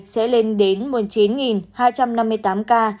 sẽ lên đến một mươi chín hai trăm năm mươi tám ca